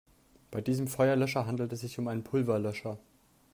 Bei diesem Feuerlöscher handelt es sich um einen Pulverlöscher.